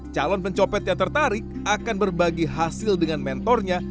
calon pencopet yang tertarik akan berbagi hasil dengan mentornya